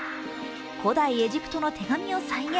古代エジプトの手紙を再現。